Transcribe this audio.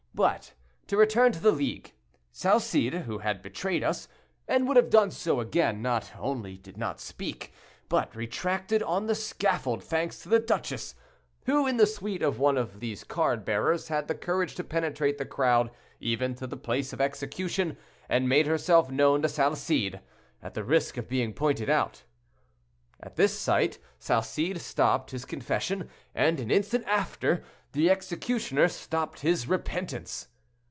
But to return to the League. Salcede, who had betrayed us, and would have done so again, not only did not speak, but retracted on the scaffold—thanks to the duchess, who, in the suite of one of these card bearers, had the courage to penetrate the crowd even to the place of execution, and made herself known to Salcede, at the risk of being pointed out. At this sight Salcede stopped his confession, and an instant after, the executioner stopped his repentance.